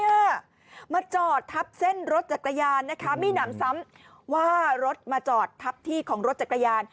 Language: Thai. มาจอดทับเส้นรถจักรยานนะคะมีหนำซ้ำว่ารถมาจอดทับที่ของรถจักรยาน